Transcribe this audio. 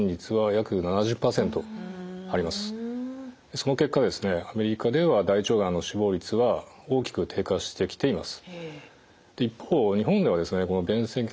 その結果アメリカでは大腸がんの死亡率は大きく低下してきています。